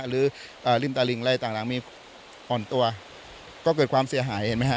ริมตลิงอะไรต่างมีอ่อนตัวก็เกิดความเสียหายเห็นไหมฮะ